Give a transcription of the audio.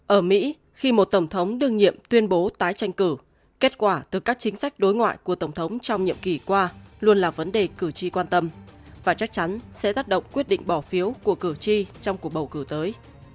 ở mỹ khi một tổng thống đương nhiệm tuyên bố tái tranh cử kết quả từ các chính sách đối ngoại của tổng thống trong nhiệm kỳ qua luôn là vấn đề cử tri quan tâm và chắc chắn sẽ tác động quyết định bỏ phiếu của cử tri trong cuộc bầu cử tới